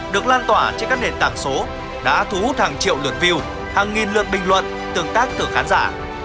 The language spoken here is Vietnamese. được lan tỏa trên các nền tảng số đã thu hút hàng triệu lượt view hàng nghìn lượt bình luận tương tác từ khán giả